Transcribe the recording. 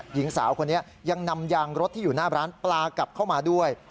หญิงสาวคนนี้ยังนำยางรถที่อยู่หน้าร้านปลากลับเข้ามาด้วย